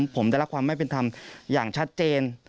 ผมได้รับความไม่เป็นธรรมอย่างชัดเจน